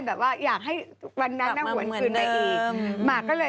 ชอบไก่ชอบไก่ของจ้อยชอบใก่ของจ้อย